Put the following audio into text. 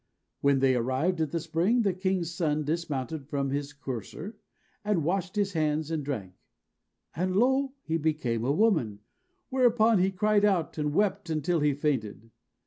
When they arrived at the spring, the king's son dismounted from his courser, and washed his hands, and drank; and lo! he became a woman; whereupon he cried out and wept until he fainted.